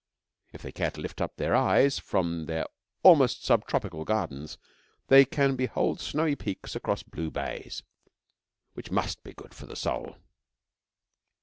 If they care to lift up their eyes from their almost subtropical gardens they can behold snowy peaks across blue bays, which must be good for the soul.